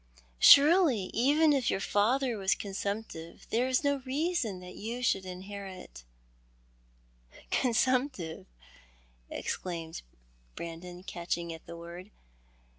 Surely, even if your father was consumptive, there is no reason that you should inlierit "'" Consumptive !" exclaimed Brandon, catching at the word.